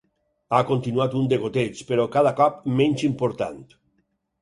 Ha continuat un degoteig, però cada cop menys important.